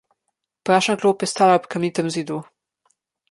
Prašna klop je stala ob kamnitem zidu.